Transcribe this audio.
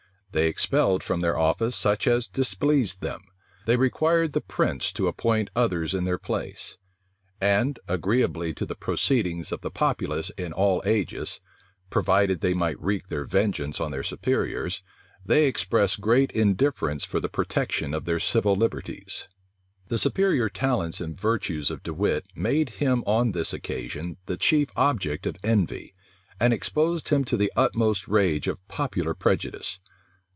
They expelled from their office such as displeased them: they required the prince to appoint others in their place; and, agreeably to the proceedings of the populace in all ages, provided they might wreak their vengeance on their superiors, they expressed great indifference for the protection of their civil liberties. The superior talents and virtues of De Wit made him on this occasion the chief object of envy, and exposed him to the utmost rage of popular prejudice.